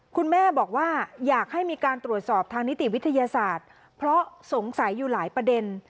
คุณแม่บอกว่าอยากให้มีการตรวจสอบทางนิติวิทยาศาสตร์เพราะสงสัยอยู่หลายประเด็น